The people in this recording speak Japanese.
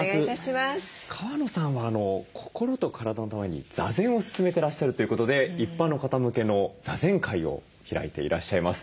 川野さんは心と体のために座禅を勧めてらっしゃるということで一般の方向けの座禅会を開いていらっしゃいます。